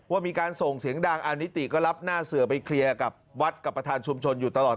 ว่ามีการส่งเสียงดังอานิติก็รับหน้าเสือไปเคลียร์กับวัดกับประธานชุมชนอยู่ตลอด